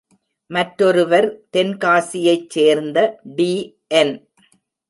மற்றொருவர் தென்காசியைச் சேர்ந்த டி.என்.